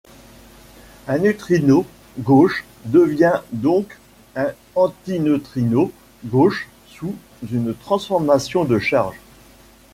Un neutrino gauche devient donc un antineutrino gauche sous une transformation de charge.